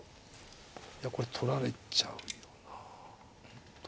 いやこれ取られちゃうよな。